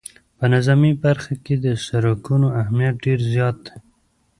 په نظامي برخه کې د سرکونو اهمیت ډېر زیات دی